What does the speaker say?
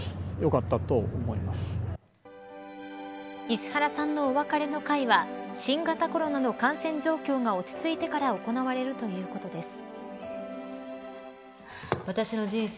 石原さんのお別れの会は新型コロナの感染状況が落ち着いてから行われるということです。